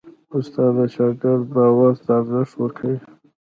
استاد د شاګرد باور ته ارزښت ورکوي.